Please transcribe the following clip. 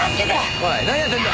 おい何やってんだ！